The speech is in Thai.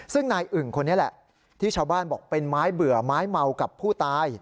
ซึ่งนายอึ่งคนนี้แหละที่ชาวบ้านบอกเป็นไม้เบื่อไม้เมากับผู้ตาย